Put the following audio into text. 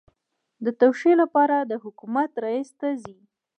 د توشیح لپاره د حکومت رئیس ته ځي.